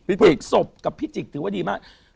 พฤษศพกับพิจิกถือว่าดีมาก